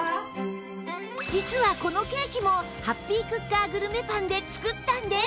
実はこのケーキもハッピークッカーグルメパンで作ったんです